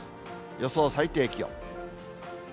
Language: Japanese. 予想最低気温。